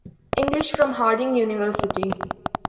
English from Harding University.